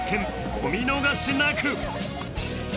お見逃しなく！